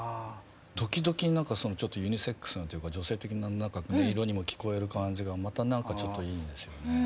時々ユニセックスなというか女性的な音色にも聞こえる感じがまたちょっといいですよね。